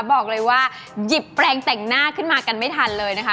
บอกเลยว่าหยิบแปลงแต่งหน้าขึ้นมากันไม่ทันเลยนะคะ